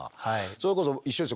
それこそ一緒ですよ。